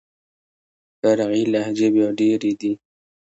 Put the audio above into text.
فرعي لهجې بيا ډېري دي.